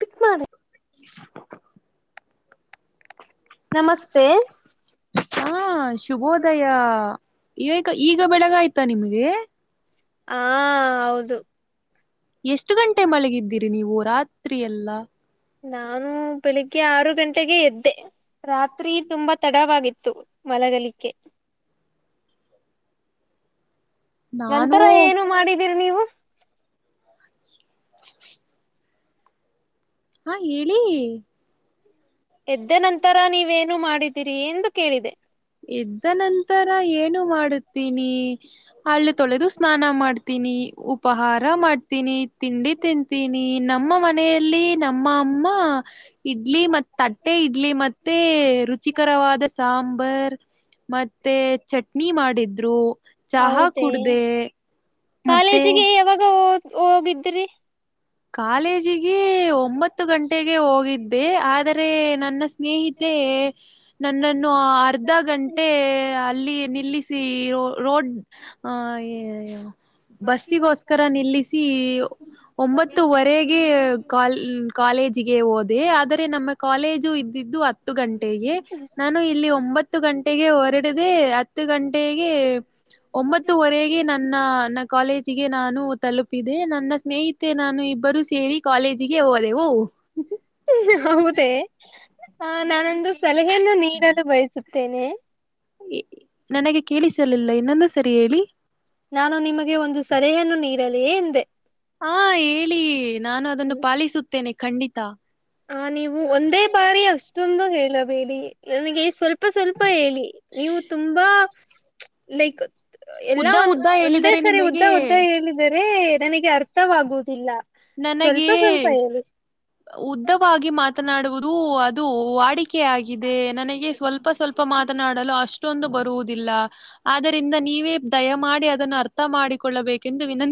ಪಿಕ್ ಮಾಡ. ನಮಸ್ತೆ. ಹಾ ಶುಭೋದಯ ಈಗ ಈಗ ಬೆಳಗ ಆಯ್ತಾ ನಿಮ್ಗೆ. ಹಾ ಹೌದು. ಎಷ್ಟು ಗಂಟೆ ಮಳೆಗಿದ್ದೀರಿ ನೀವು ರಾತ್ರಿಯಲ್ಲ. ನಾನು ಬೆಳಿಗ್ಗೆ ಆರು ಗಂಟೆಗೆ ಎದ್ದೆ ರಾತ್ರಿ ತುಂಬಾ ತಡವಾಗಿತ್ತು ಮಲಗಲಿಕೆ. ನಾನು ನಂತರ ಏನು ಮಾಡಿದೀರಿ ನೀವು. ಹಾ ಹೇಳಿ. ಎದ್ದ ನಂತರ ನೀವೇನ್- ಮಾಡಿದ್ದೀರಿ ಎಂದು ಕೇಳಿದೆ. ಇದ್ದ ನಂತರ ಏನು ಮಾಡುತ್ತೀನಿ ಹಲ್ಲು ತೊಳೆದು ಸ್ನಾನ ಮಾಡ್ತೀನಿ ಉಪಹಾರ ಮಾಡ್ತೀನಿ ತಿಂಡಿ ತಿನ್- ತಿಂಡಿ ತಿನ್ನತಿನಿ ನಮ್ಮ ಮನೆಯಲ್ಲಿ ನಮ್ಮ ಅಮ್ಮ ಇಡ್ಲಿ ಮ ತಟ್ಟೆ ಇಡ್ಲಿ ಮತ್ತೆ ರುಚಿಕರವಾದ ಸಾಂಬ ಬಾರ್. [unintelligible] ಮತ್ತೆ ಚಟ್ನಿ ಮಾಡಿದ್ರು ಚಹಾ ಹೌದೇ ಕುಡಿದೇ. ಕಾಲೇಜಿಗೆ ಯಾವಾಗ. ಹೋಗ್ ಹೋಗಿದ್ರಿ. ಕಾಲೇಜಿಗೆ ಒಂಬತ್ತು ಗಂಟೆಗೆ ಹೋಗಿದ್. [unintelligible] ಆದರೆ ನನ್ನ ಸ್ನೇಹಿತೆ ನಂದನ್. ನೋ ಅರ್ಧ ಗಂಟೆ ಅಲ್ಲಿ. ನಿಲ್ಲಿಸಿ. ರೋಡ್ [unintelligible] ಬಸ್ಸಗೋಸ್ಕರ ನಿಲ್ಲಿಸಿ ಒಂಬತ್ತು. ನಾಕುವರೆಗೆ ಕಾಲೇಜಿಗೆ ಹೋದೆ ಆದರೆ ನಮ್ಮ ಕಾಲೇಜು ಇದು ಹತ್ತು ಗಂಟೆಗೆ ನಾನು ಇಲ್ಲಿ ಒ. ಗಂಟೆಗೆ. ಎರಡದೆ ಹತ್ತು ಗಂಟೆಗೆ ಒಂಬತ್ತುವರೆಗೆ ನನ್ನ. ಕಾಲೇಜಿಗೆ ನಾನು ತಲುಪಿದೆ ನನ್ನ ಸ್ನೇಹಿತ ನಾನು ಇಬ್ಬರು ಸೇರಿ ಹೋದೆವು ಹೌದೇ ಹ ನಾನಂದು ಸಲಹೆಯನ್ನ ನೀರಲು ಬಯಸುತ್ತೆ ತನೆ ನನಗೆ ಕೇಳಿಸಲಿಲ್ಲ ಇನ್ನೊಂದು ಸರಿ ಹೇಳಿ ನಾನು ನಿಮಗೆ ಒಂದು ಸಲಹೆಯನ್ನು ನೀಡಲಿೇ ಎಂದೆ ಹಾ ಹೇಳಿ ನಾನು ಅದನ್ನು ಹ್ಮ್. ಪಾಲಿಸುತ್ತೇನೆ ಖಂಡಿತ ಆ ನೀವು ಒಂದೇ ಬಾರಿ ಅಷ್ಟೊಂದು ಹೇಳಬೇಡಿ ನನಗೆ ಸ್ವಲ್ಪ ಸ್ಪ ಸ್ವಲ್ಪ ಹೇಳಿ ನೀವು ತುಂಬಾ ಲೈಕ ಎಲ್ಲಾ ಉದ್ದ ಒಂದ ಉದ್ದ ಒಂದೇ ಹೇಳಿದರೆ ಸರಿ ಉದ್ದ ನಿಮಗೆ ಉದ್ದ ಹೇಳಿದ್ದಾರೆ ಅದೇ ನನಗೆ ಅರ್ಥವಾಗುವುದಿಲ್ಲ ಸ್ವಲ್ಪ ಸ್ವಲ್ಪ ಹೇಳರು ಮಾತ್ರ ಮಾತನಾಡುವುದು ಅದು ವಾಡಿಕೆ ಆಗಿದೆ ನನಗೆ ಸ್ವಲ್ಪ ಲ್ಪ ಸ್ವಲ್ಪ ಮಾತನಾಡಲು ಅಷ್ಟೊಂದು ಬರುವುದಿಲ್ಲ ಆದರಿಂದ ನೀವೇ ದಯ ಮಾಡಿ ಅದನ್ನು ಅರ್ಥ ಮಾಡಿಕೊಳ್ಳಬೇಕೆಂದು ವಿನ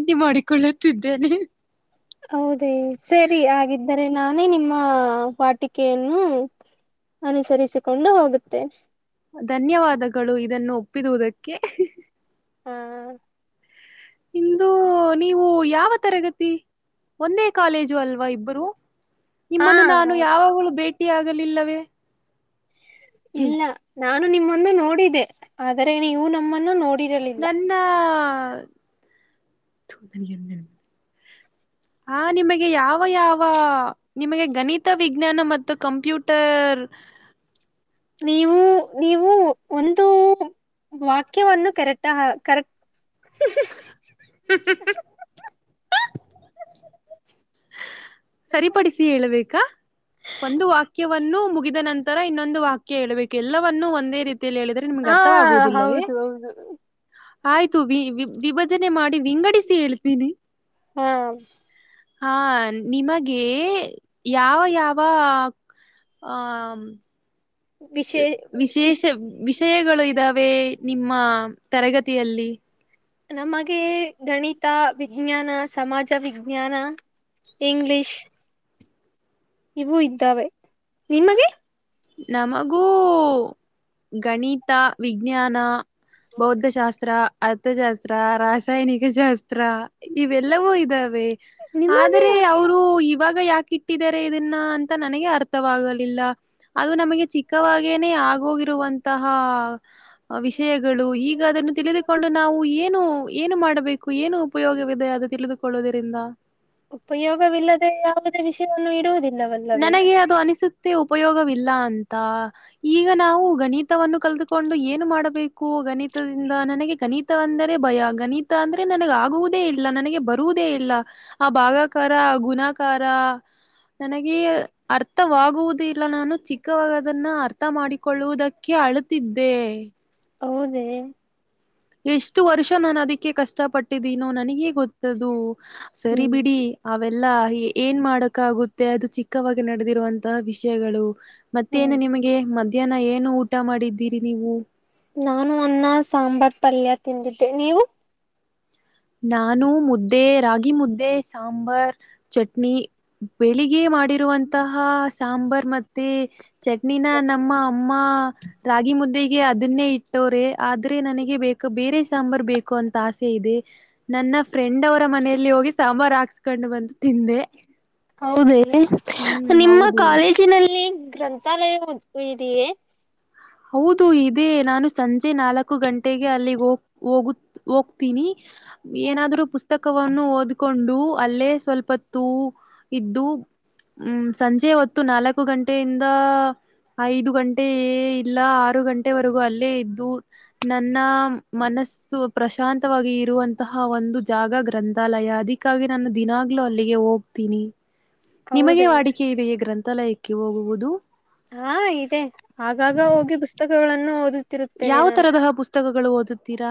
ಹೌದೇ ಸರಿ ಹಾಗಗಿದ್ದ ಅೆ ನಾನೇ ನಿಮ್ಮ ವಾಟಿಕೆಯನ್ನು ಅನುಸರಿಸಿಕೊಂಡು ಹೋಗುತ್ತೆ ಧನ್ಯವಾದಗಳು ಇದನ್ನು ಉಪ್ಪಿದುದಕ್ಕೆ ಹ ಇಂದು ನೀವು ಯಾವ ತರಗತಿ ಒಂದೇ ಕಾಲೇಜು ಅಲ್ವಾ ಇಬ್ಬರು ಹಾ ನಿಮ್ಮನ್ನು ನಾನು ಹಾ ಯಾವಾಗಳೂ ಭೇಟಿಿಯಾಗಲಿಲ್ಲವೇ ಇಲ್ಲ ನಾನು ನಿಮ್ಮನ್ನು ನೋಡಿದ್ದೆ ಆದ್ರೆ ನೀವು ನಮ್ಮನ್ನು ನೋಡಿ ನನ್ನ ತದ [unintelligible] ಹ ನಿಮಗೆ ಯಾವ- ಯಾವ ನಿಮಗೆ ಗಣಿತ ವಿಜ್ಞಾನ ಮತ್ತು ಕಂಪ್ಯೂಟರ್ ನೀವು - ನೀವು ಒಂದು ವಾಕ್ಯವನ್ನು ಕರೆಕ್ಟ್ - ಕರೆಕ್ಟ್ [inaudible] ಸರಿಪಡಿಸಿ ಹೇಳಬೇಕಾ ಒಂದು ವಾಕ್ಯವನ್ನು ಮು ಒಂದು ನಂತರ ಇನ್ನೊಂದು ವಾಕ್ಯ ಹೇಳಳ್ಬೇಕು ಎಲ್ಲವನ್ನ ಒಂದೇ ರೀತಿ ಹೇಳಿದ್ರೆ ನಿಮ್ಗೆ ಹಾ ಅರ್ಥವಾಗುವುದಿಲ್ಲವೇ ಹೌದು ಹೌದು ಆಯ್ತು ವಿ- ವಿ -ವಿಭಜನೆ ಮಾಡಿ ವಿಂಗಡಿಸಿ ಹೇಳ್ತೀನಿ ಹಾ ಹಾ ನಿಮಗೆ ಯಾವ -ಯಾವ ಆ ವಿಶೇ ವಿಶ ವಿಶೇಷ ವಿಷಯಗಳು ಇದ್ದಾವೆ ನಿಮ್ಮ ಮ್ಮ ತರಗತಿಯಲ್ಲಿ ನಮಗೆ ಗಣಿತ ವಿಜ್ಞಾನ ಸಮಾಜ ವಿಜ್ಞಾನ ಇಂಗ್ಲಿಷ್ ಇವು ಇದ್ದಾವೆ ನಿಮಗೆ ನಮಗೂ ಗಣಿತ ವಿಜ್ಞಾನ ಬೌದ್ಧಶಾಸ್ತ್ರ ಶಾಸ್ತ್ರ ರಾಸಾಯನಿಕ ಶಾಸ್ತ್ರ. ಹ ಇವೆಲ್ಲವೂ ಇದಾವೆ ಆದರೆ ನಿಮಗೆ ಅವರು ಇವಾಗ ಯಾಕ. ಇಟ್ಟಿದಿದ್ದಾರೆ ಇದನ್ನ ಅಂತ ನನಗೆ ಅರ್ಥವಾಗಲ್ಲ. ಇಲ್ಲ. ಅದು ನಮಗೆ ಚಿಕ್ಕವಾಗೇನೆೇ ಆಗೋಗಿ. ಇರುವಂತಹ ವಿಷಯಗಳು ಈಗ ಅದನ್ನು ತಿಳಿದುಕೊಂಡು ನಾವು ಏನು ಏನು ಮಾಡಬೇಕು ಏನು ಉಪಯೋಗವಿದೆ ಅ ಆದ ತಿಳಿದು ತಿಳಿದುಕೊಳ್ಳುವುದರಿಂದ ಉಪಯೋಗವಿಲ್ಲದೆ ಯಾವುದೇ ವಿಷಯವನ್ನು ಇಡುವುದಿಲ್ಲವಲ್ಲವೇ ಉಪಯೋಗವಿಲ್ಲಾ ಅಂತ ಈಗ ನಾವು ಗಣಿತವನ್ನು ಕಲ್ದುಕೊಂಡು ಏನು ಮಾಡಬೇಕು ಗಣಿತದಿಂದ ನನಗೆ ಗಣಿತವೆಂದರೆ ಭಯ ಆ ಗಣಿತ ಅಂದ್ರೆ ನನಗೆ ಆಗುವುದೇ ಇಲ್ಲ ನನಗೆ ಬರುವುದೇ ಇಲ್ಲ ಆ ಭಾಗಕಾರ ಗುಣ ನನಗೆ ಅರ್ಥವಾಗುವುದು ಮಾಡಿಕೊಳ್ಳುವುದಕ್ಕೆ ಅಳುತ್ತಿದ್ದೆ ಹೌದೇ ಎಷ್ಟು ವರ್ಷ ನಾನು ಅದಿಕ್ಕೆ ಕಷ್ಟ ಪಟ್ಟಿದ್ದೀನೋ ನನಗೇ ಗೊತ್ತದು ಸರಿ ಹ್ಮ್ ಬಿಡಿ ಲ್ಲಾ ಏನ್ ಮಾಡಕ ಆಗುತ್ತೆ ಅದು ಚಿಕ್ಕವಾಗಿ ನಡೆದಿರುವಂತಹ ವಿಷಯಗಳು ಮತ್ತೇನು ಹ್ಮ್ ನಿಮಗೆ ಮ ಮಧ್ಯಾಹ್ನ ಏನು ಊಟ ಮಾಡಿದ್ದೀರಿ ನೀವು ನಾನು ಅನ್ನ ಸಾಂಬಾರ್ ಪಲ್ಯ ತಮ್ಮ ದಿತೆೆ ನೀವು ನಾನು ಮುದ್ದೆ ರಾಗಿ ಮುದ್ದೆ ಸಾಂಬಾರ್ ಚಟ್ನಿ ಬೆಳಿಗ್ಗೆ ಮಾಡಿರುವಂತಹ ಸಾಂಬಾರ್ ಮತ್ತೆ ಚಟ್ನಿನ ನಮ್ಮ ಅಮ್ಮ ರಾಗಿ ಮುದ್ದೆಗೆ ಅದನ್ನೇ ಇಟ ಟ್ಟ್ರ ಆದ್ರೆ ನನಗೆ. ಗೆ ಬೇಕ ಬೇರೆ ಸಾಂಬಾರ್ು ಬೇಕು ಅಂತ ಆಸೆ ಇದೆ. ನನ್ನ ಫ್ರೆಂಡ್ ಅವರು. ಮನೆಯಲ್ಲಿ ಹೋಗಿ ಸಾಂಬಾರ ಹಾಕ್ಸ್ಕೊಂಡು ಬಂತ ತಿಂದೆ ಹೌದೇ ಹ್ಮ್ ನಿಮ್ಮ ಹೌದು ಕಾಲೇಜಿನಲ್ಲಿ ಗ್ರಂಥಾಲಯ ಇದಿಯಾ ದಿಯೇ ಹೌದು ಇದೇ ನಾನು ಸಂ ಸಂಜೆ ನಾಲ್ಕು ಗಂಟೆಗೆ ಅಲ್ಲಿ ಹೋಗ ಹೋಗತ್ ಹೋಗ್ತೀನಿ ಏನಾದ್ರೂ ಪುಸ್ತಕವನ್ನು ಓದ್ಕೊಂಡ್ ಅಲ್ಲೇ ಸ್ವಲ್ಪ ಹೊತ್ತು ಇದ್ದು ಹ್ಮ್ ಸಂಜೆ ಹೊತ್ತು ನಾಲ್ಕು ನಾಲ್ಕು ಗಂಟೆಯಿಂದ ಐದು ಗಂಟೆಯೇ ಎಲ್ರ ಆರು ಗಂಟೆವರೆಗೂ ಅಲ್ಲೇ ಇದ್ದು ನನ್ನ ಮನಸ್ಸು ಪ್ರಶಾಂತವಾಗಿ ಇರುವಂತಹ ಒಂದು ಜಾಗ ಗ್ರಂಥಾಲಯ ಅದಿಕ್ಕಾಗಿ ನಾನು ದಿನಗಲು ಅಲ್ಲಿಗೆ ಹೋಗ್ತೀನಿ ನಿಮಗೆ ಹೌದೇ ವಾಡಿಕೆ ಇದೆೆಯೇ ಗ್ರಂಥ ತಲಯಕ್ಕೆ ಹೋಗುವುದು ಹಾ ಇದೆ ಆಗಾಗ ಹೋಗಿ ಪುಸ್ತಕಗಳನ್ ನ್ನು ಓದು ಯಾವ ತರದಹದ ಪುಸ್ತಕಗಳು ಓದ ತೀರ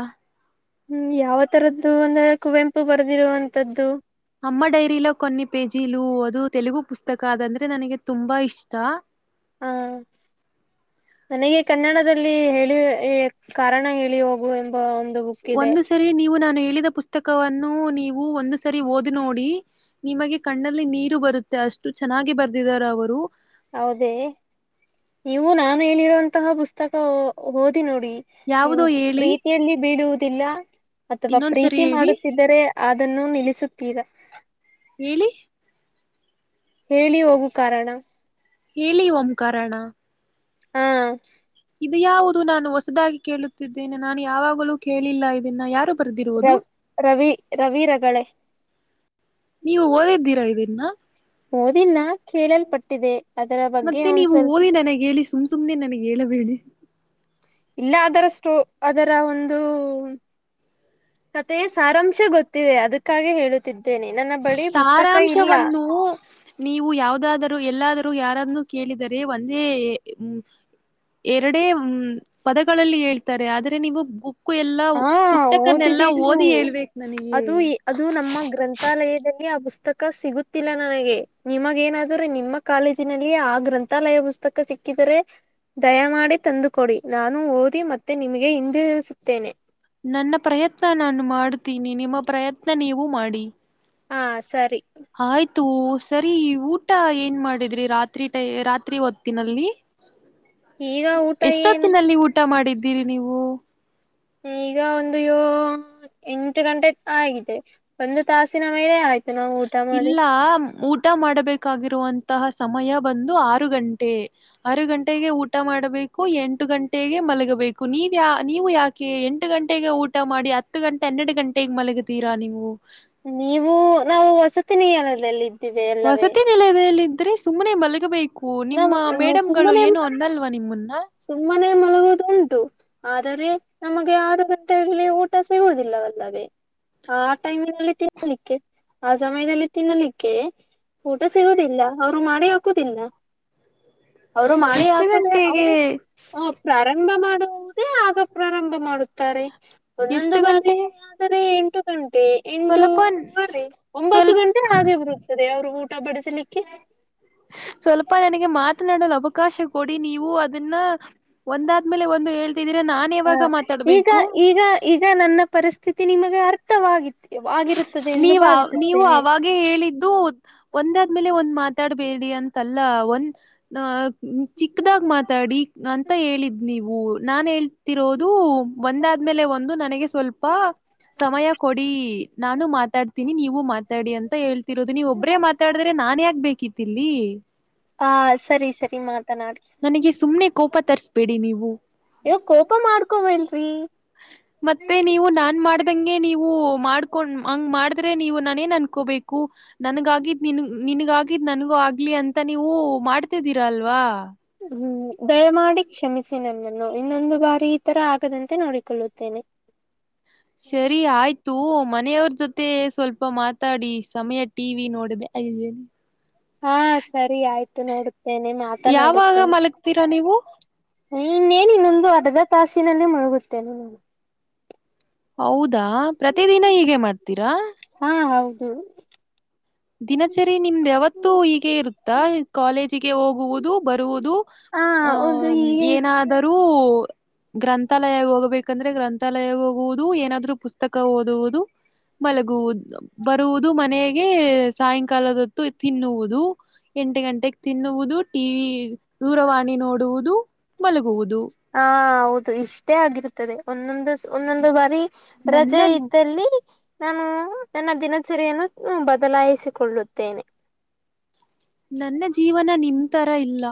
ಹ್ಮ್ ಯಾವ ತರದ್ದು ಒಂದ ಕುವೆಂಪು ತಪ್ಪು ಬರೆದಿರುವಂಥದ್ದು ಅಮ್ಮ ಡೈರಿಲೋ ಕೊನ್ನ ಪೇಜಿಲು ಅದು ತೆಲುಗು ಪುಸ್ತಕ ಅದಂದ್ರೆ ನನಗೆ ತುಂಬಾ ಇಷ್ಟ. ಹಾ ನನಗೆ ಕನ್ನಡದಲ್ಲಿ ಹೇಳಿ ಕಾರಣ ಹೇಳಿ ಹೋಗುವೆನು ಒಂದು ಸರಿ ನೀವು ನಾನು ಹೇಳ್ದ್ ಪುಸ್ತಕವನ್ನು ನೀವು ಒಂದು ಸರಿ ಓದಿ ನೋಡಿ ನಿಮಗೆ ಕಣ್ಣಲ್ಲಿ ನೀರು ಬರುತ್ತೆ ಅಷ್ಟು ಚೆನ್ನಾಗಿ ಬರ್ದಿದಿದ್ದಾರೆ ಅವರು ಹೌದೇ ನೀವು ನಾನು ಹೇಳಿರಂತಹ ಪುಸ್ತಕ ಓದ್ ನೋಡಿ ನೀವು ಯಾವುದೋ ಹೇಳಿ ಪ್ರೀತಿಯಲ್ಲಿ ಬೀಳುವುದು ತಿಲ್ಲ. ಅಥವಾ ಇನ್ನೊಂದ್ಸರಿ ಪ್ರೀತಿ ಹೇಳಿ ಮಾಡುತ್ತಿದ್ದರೆ. ಅದನ್ನು ನಿಲ್ಲಿಸುತ್ತೀರಾ. ಹೇಳಿ. ಹೇಳಿ ಹೋಗು ಕಾರಣ. ಹೇಳಿ ಓಂ ಕಾರಣ. ಹಾ. ಇದು ಯಾವುದು ನಾನು ಹೊಸದಾಗಿ. ಕೇಳುತ್ತಿದ್ದೇನೆ ನಾನು ಯಾವಾಗಲೂ ಕೇಳಿಲ್ಲ ಇದನ್ನ ಯಾರು. ರ ಬರ್ದಿರುವುದು -ರವಿ -ರವಿ ರಗಳ ನೀವು ಓದಿದ್ದೀರಾ ಇದನ್ನ ಓದಿನ ಕೇಳಲ್ಪಟ್ಟ ಇೇ. ಮತ್ತೆ ನೀವು ಓದಿ ನನಗ್ ಹೇಳಿ ಸುಮ್ - ಸುಮ್ನೆ ನನಗ್ ಹೇಳಬೇಡಿ. ಇಲ್ಲ ಆದರಷ್ಟು. ಇದರ ಒಂದು. ಕತೆೆಯ ಸಾರಾಂಶ ಗೊತ್ತಿದೆ ಅದಕ್ಕೆ. ಕರೆ ಹೇಳುತ್ತಿದ್ದಿ. ಸಾರಾಂಶವನ್ನು ನೀವು ಯಾವ್ದಾದರೂ ಎಲ್ಲಾದರೂ ಯಾರಾದ್ೂ. ಕೇಳಿದರೆ ಒಂದೇ. ಎರಡೇ್ಮ ಪದಗಳಲ್ಲಿ ಹೇಳ್ತಾರೆ ಆದ್ರೆ. ನೀವು. ಎಲ್ಲ ಹಾ ಪುಸ್ತಕನೆಲ್ಲ ಓದಿಬೇಕು ಓದಿ ಹೇಳ್ಬೇಕು ಅದು -ಅದು ನಮ್ಮ ಗ್ರಂಥಾಲಯದಲ್ಲಿ. ಆ ಪುಸ್ತಕ ಸಿಗುತ್ತಿಲ್ಲ ನನಗೆ ನಿಮಗ ಏನಾದ್ರೆ ನಿಮ್ಮ ಕಾಲೇಜಿನಲ್ಲಿ ಆ ಗ್ರಂಥಾಲಯ ಪುಸ್ತಕ ಸಿಕ್ಕಿದರೆ ದಯಮಾಡಿ ತಂದುಕ ಕೊಡಿ ನಾನು ಓದಿ ಮತ್ತೆ ನಿಮಗೆ ಹಿಂದೆ. ತನೆ. ನನ್ನ ಪ್ರಯತ್ನ ನಾನು ಮಾಡ. ೀನಿ ನಿಮ್ಮ ಪ್ರಯತ್ನ ನೀವು ಮಾಡಿ. ಹಾ ಸರಿ. ಆಯ್ತು ಸರಿ ಊಟ ಏನ್ ಮಾಡಿದ್ರಿ ರಾತ್ರಿ ಟೈ ರಾತ್ರಿ ಓದ್ತಿನಲ್ಲಿ. ಈಗ ಊಟ ಏನು ಎಷ್ಟೊತ್ತಿನಲ್ಲಿ ಊಟ ಮಾಡಿದ್ದ. ತಿರಿ ನೀಿವು. ಈಗ ಒಂದು ಯ ಎಂಟು ಗಂಟೆ ಆಗಿದೆ ಒಂದು ತಾಸಿನ ಮೇಲೆ ಆಯ್ತು. ನಾವು ಊಟ ಮಾಡಿ ಇಲ್ಲ ಊ. ಊಟ ಮಾಡಬೇಕಾಗಿರುವಂತಹ ಸಮಯ ಬಂದು ಆರು ಗಂಟೆ -ಆರು ಗಂಟೆಗೆ ಊಟ. ಊ ಮಾಡಬೇಕು ಎಂಟು ಗಂಟೆ. ೇ ಮಲಗಬೇಕು. ನೀವ ಯ ನೀವು ಯಾಕೆ ಎಂಟು ಗಂಟೆಗೆ ಊಟ ಮಾಡಿ ಹ. ಹತ್ತು ಗಂಟೆನ್ನೆರಡು ಗಂಟೆಗೆ ಮಲಗಿದೀರಾ ನೀವು. ಹವು ವಸತಿನ [unintelligible] [inaudible] ವಸತಿ ನಿಲದಲ್ಲಿದ್ರಿ ಸುಮ್ಮನೆ ಮಲ್ಲಿಗೆ ಬೈ ನ ಸುಮ್ಮನೆ- ನಿಮ್ಮನ್ನ ಸುಮ್ಮನೆ ಮಲಗುವುದು ಉಂಟು ಆದರೆ ನಮಗೆ ಆರು ಗಂಟೆಯಲ್ಲಿ ಊಟ ಸಿಗುವುದಿಲ್ಲ. ಇಲ್ಲವಲ್ಲವೇ ಆ ಟೈಮಿನಲ್ಲಿ ತಿನ್ನಲಿಕ್ಕೆ ಆ ಸಮಯದಲ್ಲಿ ತಿನ್ನಲಿಕ್ಕೆ ಊಟ ಸಿಗುದಿಲ್ಲ ರು ಮಾಡೇ ಹಾಕುದಿಲ್ಲ ಅವರು ಮಾಡಿ ಎಷ್ಟು ಹಾಕುದ ಗಂಟೆಗೆ ಅವರು ಪ್ರಾರಂಭ ಮಾಡುವುದೇ. ಈಗ ಪ್ರಾರಂಭ ಮಾಡುತ್ತಾರೆ. ಒಂದೊಂದು ಎಷ್ಟು ಬಾರಿ ಗಂಟೆ ಆದರೆ ಎಂಟು. ಹ್ಮ್ಮ್. ಮ ಎಟ ಸ್ವಲ್ಪ ಬೀ ಒಂಬತ್ತು ಸ್ವಲ್ಪ ಗಂಟೆ ಹಾಗೆ ಬರುತ್ತದೆ ಅವರು ಊಟ. ಊಟ ಬಡಿಸಲಿಕ್ಕೆ. ಸ್ವಲ್ಪ ನನಗೆ ಮಾತನಾಡಲು ಅವಕಾಶ ಕೊಡಿ ನೀವು ಅದನ್ನ ಒಂದಾದ್ಮೇಲೆ ಒಂದು ಹಳ್. ಹ ಈಗ ಈಗ ಈಗ ನನ್ನ ಪರಿಸ್. [unintelligible] ನೀವ ನೀವು ಭಾವಿಸುತ್ತೇನೆ. ಅವಾಗೇ ಹೇಳಿದ್ದು ಒಂದಾದ್ಮೇಲೆ ಒಂದ್ ಮಾತಾಡ್- ಬೇಡಿ ಅಂತಲ್ಲ ಒಂದ್. ಚಿಕ್ಕದಾಗ ಮಾತಾಡಿ ಅಂತ ಹೇಳಿದ್ ನೀವು ನಾನ್ ಹೇಳ್ತಿರೋದು ಒಂದಾದ್ಮೇಲೆ ಒಂದು ನನಗೆ ಸ್ವಲ್ಪ ಸಮಯ. ಕೊಡಿ ನಾನು ಮಾತಾಡ್ತೀನಿ ನೀವು ಮಾ ಅಡಿ ಅಂತ ಹೇಳ್. ರೋದು ನೀವು ಒಬ್ಬ್ರೇ ಮಾತಾಡಿದ್ರೆ ನಾನ್ ಯಾಕ ಬೇಕಿತ್ತಲ್ಲಿ. ಹಾ ಸರಿ ಸರಿ ಮಾತನಾಡಿ. ನನಗೆ ಸುಮ್ನೆ ಕೋಪ ತರ್ಸ್ಬೇಡಿ ನೀವು. ಫೀ. ಮತ್ತೆ ನೀವು ನಾನ್ ಮಾಡ. ಗೆ ನೀವು ಮಾಡ್ಕೊಂಡ ಹಂಗ್ ಮಾಡಿದ್ರೆ ನೀವು ನಾನೇನ್ ಅನ್ಕೋಬೇಕು ನನಗಾಗಿ. ನನ್ ನನ್ಗ ಆಕಿದ್ದ ನನಗೂ ಆಗ. ಆಗ್ಲಿ ಅಂತ ನೀವು ಮಾಡ್ತಿದ್ದೀರಾ ಅಲ್ವಾ. ಹ್ಮ್. ದಯಮಾಡಿ ಕ್ಷಮಿಸಿ ನನ್ನ. ಇನ್ನೊಂದು ಬಾರಿ ಈ ತರ ಆಗದಂತೆ ನೋಡಿಕೊಳ್ಳುತ್ತೇನೆ. ಸರಿ ಆಯ್ತು ಮನೆಯವ್ರ ಜೊತೆ. ಸ್ವಲ್ಪ ಮಾತಾಡಿ ಸಮಯ ಟಿ ವಿ ನೋಡಿದೆ. ಹಾ ಸರಿ ಆಯ್ತು ನೋಡ. ಯಾವಾಗ ಮಲಗ್ತೀರಾ ನೀವು. ಹ್ಮ ಇನ್ನೇನನು. ಒಂದು ಅರ್ಥ ತಾಸಿನಲ್ಲಿ. ಗುತ್ತೇನೆ ನಾನು. ಹೌದು ದಾ ಪ್ರತಿದಿನ ಹೀಗೆ ಮಾಡ್ತೀರಾ. ದು ದಿನಚರಿ ನಿಮ್ದ ಯಾವತ್ತುೂ ಹೀಗೆ ಇರುತ್ತಾ ಕಾಲೇಜಿಗೆ ಹೋಗುವುದು ಬರುವುದು ಹಾ ಆ ಹೌದು ಹೀಗೆ ಏನಾದರೂ. ಗ್ರಂಥಾಲಯ ಹೋಗಬೇಕಂದ್ರೆ ಗ್ರಂಥಾಲಯ ಹೋಗುವುದು ಏನಾದ್ೂ ಪುಸ್ತಕ ಓದುವುದು ಮಲಗುವುದು. ಬರುವುದು ಮನ. ಗೆ ಸಾಯಂಕಾಲದೊತ್ತು ತಿನ್ನುವುದು ಎಂಟು ಗಂಟೆಗೆ ತಿನ್ನುವುದು ಟಿವಿ. ದೂರವಾಣಿ ನೋಡುವುದು. ಮಲಗುವುದು. ಹಾ ಹೌ ಹೌದು ಇಷ್ಟೇ ಆಗಿರುತ್ತದೆ ಒಂದೊಂದು ಒಂದೊಂದು ಬಾರಿ. ನನ್ನ ರಜೆ ಇದ್ದಲ್ಲಿ. ನಾನು ನನ್ನ ದಿನಚರಿಯನ್ನು ಬದಲಾಯಿಸಿಕೊಳ್ಳುತ್ತೇನೆ. ನನ್ನ ಜೀವನ ನಿಮ. ತರ ಇಲ್ಲ.